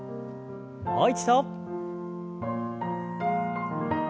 もう一度。